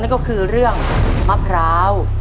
นั่นก็คือเรื่องมะพร้าว